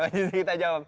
justru kita jawab